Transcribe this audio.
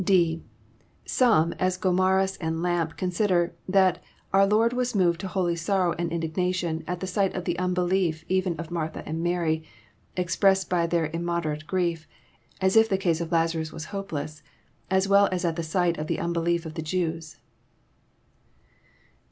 {d) Some, as Gomarus and Lampe, consider that our Lord was moved to holy sorrow and indignation at the sight of the unbelief even of Martha and Mary, (expressed by their immod erate grief, as if the case of Lazarus was hopeless,} as well as at the sight of the unbelief of the Jews.